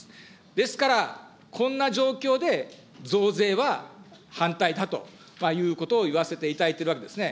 ですから、こんな状況で増税は反対だということを言わせていただいているわけですね。